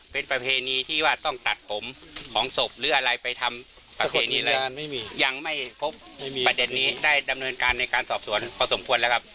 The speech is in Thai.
เป็นประเพณีที่ว่าต้องตัดผมของศพหรืออะไรไปทำประเพณีอะไรยังไม่พบไม่มีประเด็นนี้ได้ดำเนินการในการสอบสวนพอสมควรแล้วครับ